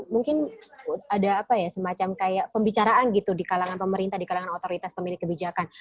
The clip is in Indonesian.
mungkin ada apa ya semacam kayak pembicaraan gitu di kalangan pemerintah di kalangan otoritas pemilik kebijakan